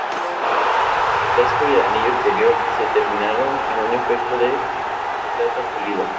El casco y el anillo exterior se terminaron en un efecto de plata pulida.